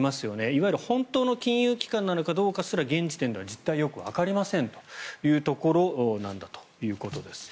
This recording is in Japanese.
いわゆる本当の金融機関なのかどうかすら現時点では実態がよくわかりませんというところだということです。